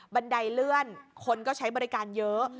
บันไดเลื่อนคนก็ใช้บริการเยอะ